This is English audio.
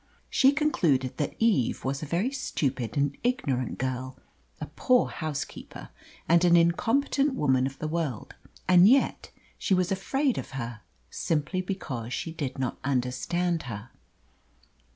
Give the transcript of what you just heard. She concluded that Eve was a very stupid and ignorant girl, a poor housekeeper, and an incompetent woman of the world; and yet she was afraid of her, simply because she did not understand her.